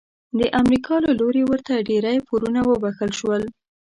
د امریکا له لوري ورته ډیری پورونه وبخښل شول.